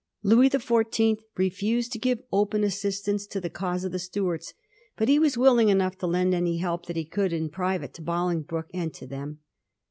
Louis the Fourteenth refused to give open xissistance to the cause of the Stuarts, but he was willing enough to lend any help that he could in private to Bolingbroke and to them.